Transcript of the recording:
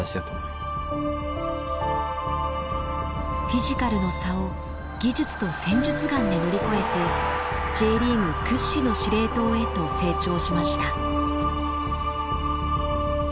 フィジカルの差を技術と戦術眼で乗り越えてＪリーグ屈指の司令塔へと成長しました。